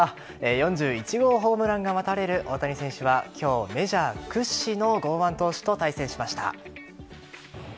４１号ホームランが待たれる大谷選手は今日メジャー屈指の剛腕投手と対戦しました。